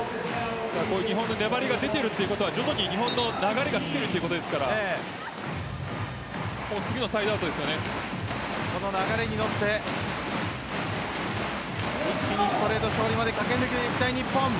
日本の粘りが出ているということは徐々に日本の流れがきているということですからこの流れに乗って一気に勝利まで駆け抜けていきたい日本。